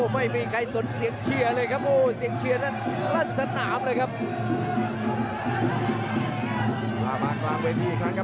ไม่บังเลยครับทั้งคู่